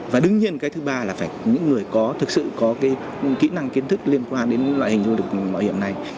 và đương nhiên cái thứ ba là phải những người có thực sự có cái kỹ năng kiến thức liên quan đến loại hình du lịch mạo hiểm này